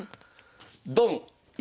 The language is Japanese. ドン！